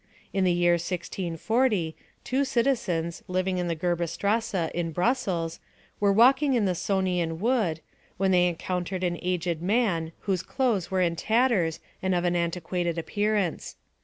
In the year 1640, two citizens, living in the Gerberstrasse, in Brussels, were walking in the Sonian wood, when they encountered an aged man, whose clothes were in tatters and of an antiquated appearance.